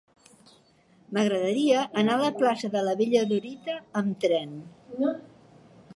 M'agradaria anar a la plaça de la Bella Dorita amb tren.